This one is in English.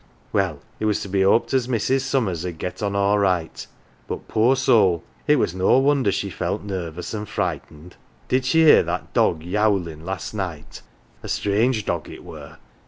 Well, it was to be "oped as Mrs. Summers 'ud get on all right, but, poor soul, it was no wonder she felt nervous an" 1 frightened. Did she hear that dog youlin' last night ? A strange dog it were.